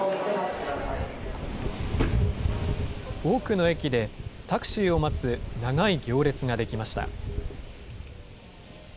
多くの駅でタクシーを待つ長い行列が出来ました。